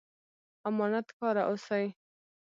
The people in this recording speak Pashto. امانت کاره اوسئ